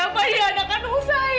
apakah dia anak kandung saya